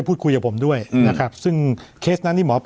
พู้หญิงเหมือนกันใช่มั้ย